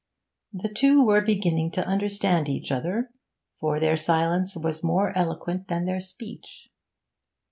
The two were beginning to understand each other, for their silence was more eloquent than their speech.